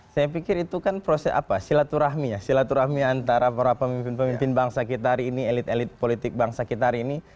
saya pikir itu kan proses apa silaturahmi ya silaturahmi antara para pemimpin pemimpin bangsa kita hari ini elit elit politik bangsa kita hari ini